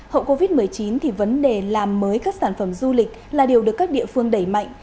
hậu covid một mươi chín thì vấn đề làm mới các sản phẩm du lịch là điều được các địa phương đẩy mạnh